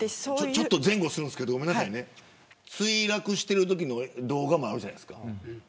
前後するんですけど墜落しているときの動画もあるじゃないですか。